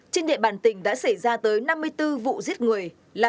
trên địa bàn tỉnh đã xảy ra tới năm mươi bốn vụ giết người